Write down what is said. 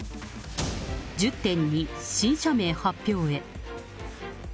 １０・２、新社名発表へ。